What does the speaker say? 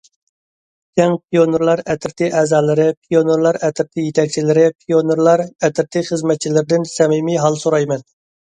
كەڭ پىيونېرلار ئەترىتى ئەزالىرى، پىيونېرلار ئەترىتى يېتەكچىلىرى، پىيونېرلار ئەترىتى خىزمەتچىلىرىدىن سەمىمىي ھال سورايمەن!